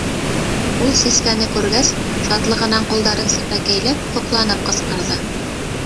Ул Сәскәне күргәс, шатлығынан ҡулдарын сәпәкәйләп, һоҡланып ҡысҡырҙы.